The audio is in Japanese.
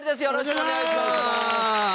よろしくお願いします